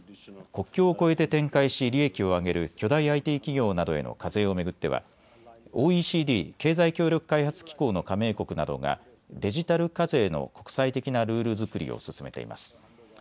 国境を越えて展開し利益を上げる巨大ＩＴ企業などへの課税を巡ってはＯＥＣＤ・経済協力開発機構の加盟国などがデジタル課税の国際的なルール作りを進めています。